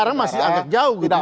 sekarang masih agak jauh gitu